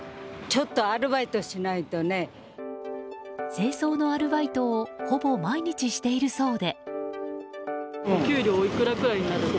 清掃のアルバイトをほぼ毎日しているそうで。